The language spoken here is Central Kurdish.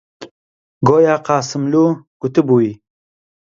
گۆیا قاسملوو گوتبووی: